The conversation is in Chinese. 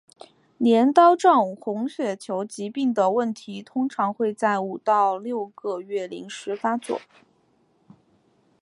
镰刀状红血球疾病的问题通常会在五到六个月龄时发作。